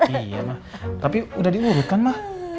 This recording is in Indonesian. iya ma tapi udah diurut kan ma